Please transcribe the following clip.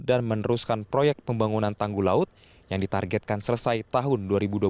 dan meneruskan proyek pembangunan tanggul laut yang ditargetkan selesai tahun dua ribu dua puluh dua